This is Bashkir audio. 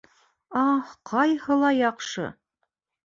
— Аһ, ҡайһылай яҡшы!